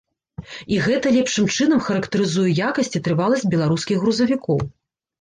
І гэта лепшым чынам характарызуе якасць і трываласць беларускіх грузавікоў.